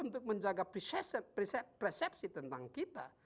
untuk menjaga persepsi tentang kita